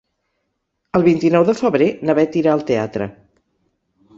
El vint-i-nou de febrer na Beth irà al teatre.